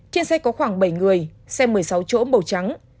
trên xe có khoảng bảy người xe một mươi sáu chỗ màu trắng